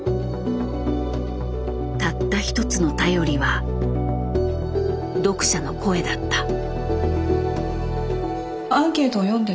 たった一つの頼りは読者の声だった。